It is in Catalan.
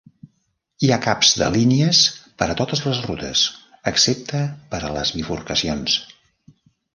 Hi ha caps de línies per a totes les rutes, excepte per a les bifurcacions.